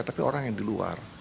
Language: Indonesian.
tapi orang yang di luar